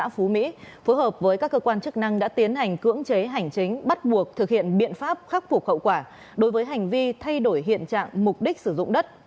phú mỹ phối hợp với các cơ quan chức năng đã tiến hành cưỡng chế hành chính bắt buộc thực hiện biện pháp khắc phục hậu quả đối với hành vi thay đổi hiện trạng mục đích sử dụng đất